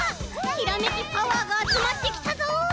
ひらめきパワーがあつまってきたぞ！